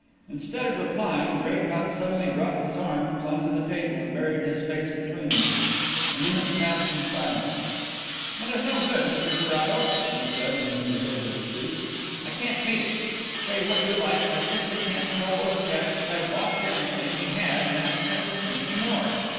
Instead of replying Draycott suddenly dropped his arms on to the table and buried his face between them. A minute passed in silence. "It's no good, Mr Carrados," he said, when he was able to speak; "I can't meet it. Say what you like, I simply can't tell those chaps that I've lost everything we had and ask them to send me more.